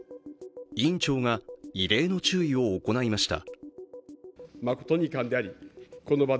委員長が異例の注意を行いました。